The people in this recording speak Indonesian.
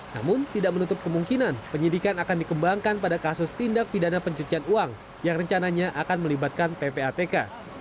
namun tidak menutup kemungkinan penyidikan akan dikembangkan pada kasus tindak pidana pencucian uang yang rencananya akan melibatkan ppatk